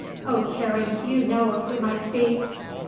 Oh, Karen, you know of whom I speak."